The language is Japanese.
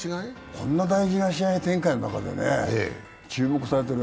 こんな大事な試合展開の中でね、注目されてる。